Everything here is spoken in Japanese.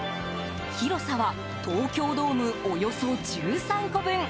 広さは東京ドームおよそ１３個分。